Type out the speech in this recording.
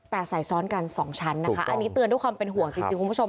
แต่ใส่ซ้อนกันสองชั้นนะคะอันนี้เตือนด้วยความเป็นห่วงจริงคุณผู้ชม